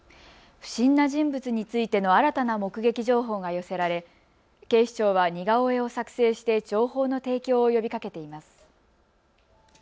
不審な人物についての新たな目撃情報が寄せられ警視庁は似顔絵を作成して情報の提供を呼びかけています。